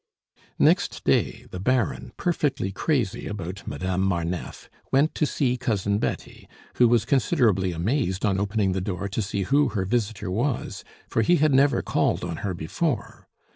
Next day the Baron, perfectly crazy about Madame Marneffe, went to see Cousin Betty, who was considerably amazed on opening the door to see who her visitor was, for he had never called on her before.